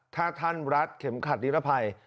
ถ้าท่านรัดเข็มขัดนิรภัย